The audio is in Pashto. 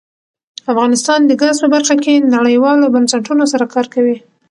افغانستان د ګاز په برخه کې نړیوالو بنسټونو سره کار کوي.